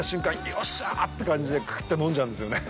よっしゃーって感じでクーっと飲んじゃうんですよね。